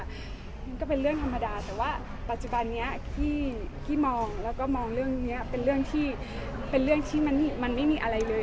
มันก็เป็นเรื่องธรรมดาแต่ว่าปัจจุบันนี้ที่มองเรื่องนี้เป็นเรื่องที่มันไม่มีอะไรเลย